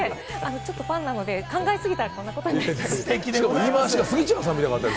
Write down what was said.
ちょっとファンなので考えすぎたら、こうなりました。